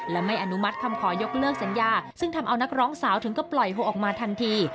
และไม่อนุมัติคำขอยกเลิกสัญญาซึ่งทำเอานักร้องสาวถึงก็ปล่อยโฮออกมาทันที